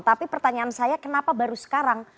tapi pertanyaan saya kenapa baru sekarang